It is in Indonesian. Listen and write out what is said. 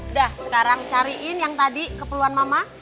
udah sekarang cariin yang tadi keperluan mama